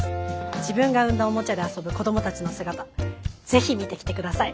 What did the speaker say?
自分が生んだおもちゃで遊ぶ子どもたちの姿ぜひ見てきて下さい。